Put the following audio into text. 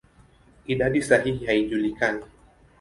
Idadi sahihi haijulikani.